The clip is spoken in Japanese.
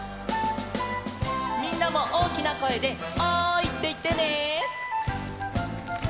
みんなもおおきなこえで「おい！」っていってね。